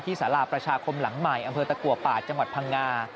สาราประชาคมหลังใหม่อำเภอตะกัวป่าจังหวัดพังงา